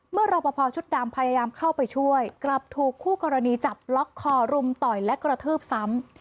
รอปภชุดดำพยายามเข้าไปช่วยกลับถูกคู่กรณีจับล็อกคอรุมต่อยและกระทืบซ้ำ